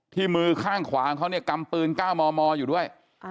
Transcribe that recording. ที่มือข้างขวางเขากำปืนก้าวมออยู่ด้วย